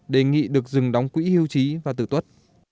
đề nghị được dừng đóng quỹ hưu trí và tử tuất